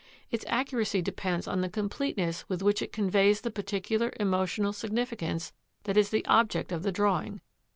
Its accuracy depends on the completeness with which it conveys the particular emotional significance that is the object of the drawing.